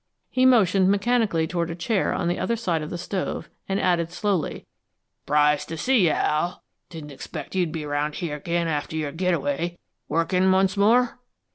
He motioned mechanically toward a chair on the other side of the stove, and added slowly: "S'prised to see you, Al. Didn't expect you'd be around here again after your get away. Workin' once more?"